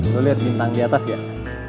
lo liat bintang di atas gak